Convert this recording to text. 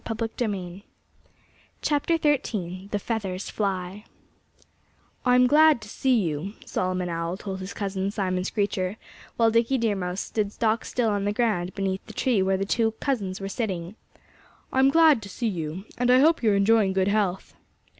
XIII THE FEATHERS FLY "I'm glad to see you," Solomon Owl told his cousin Simon Screecher, while Dickie Deer Mouse stood stock still on the ground beneath the tree where the two cousins were sitting. "I'm glad to see you. And I hope you're enjoying good health."